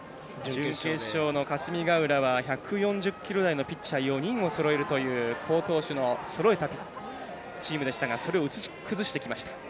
準決勝の霞ヶ浦は１４０キロ台のピッチャー４人をそろえるという好投手のそろえたチームでしたがそれを打ち崩してきました。